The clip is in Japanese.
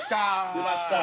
◆出ました。